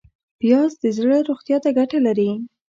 پیاز د زړه روغتیا ته ګټه لري